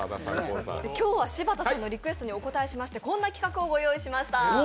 今日は柴田さんのリクエストにお応えしましてこんな企画をご用意いたしました。